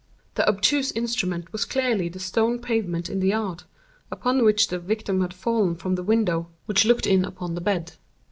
The obtuse instrument was clearly the stone pavement in the yard, upon which the victim had fallen from the window which looked in upon the bed.